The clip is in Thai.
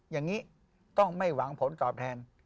อย่างนี้ต้องไม่หวังผลตอบแทน